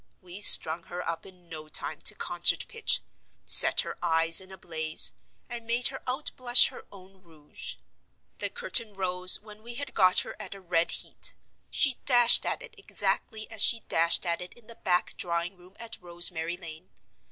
We strung her up in no time to concert pitch; set her eyes in a blaze; and made her out blush her own rouge. The curtain rose when we had got her at a red heat. She dashed at it exactly as she dashed at it in the back drawing room at Rosemary Lane.